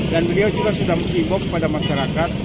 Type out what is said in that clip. dan beliau juga sudah mengimbau kepada masyarakat